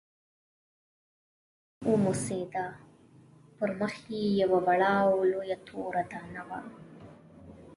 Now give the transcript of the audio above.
بښنه رڼا وموسېده، پر مخ یې یوه وړه او لویه توره دانه وه.